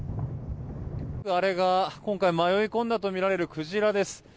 あれが今回迷い込んだとみられるクジラです。